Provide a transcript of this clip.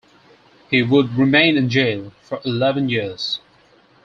He would remain in jail for eleven years.